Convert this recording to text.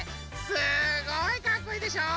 すごいかっこいいでしょ。